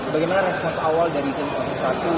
bagaimana respon awal dari tim komisasi